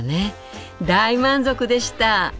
大満足でした！